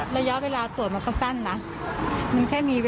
เพราะว่ามันจะได้คัดกรรม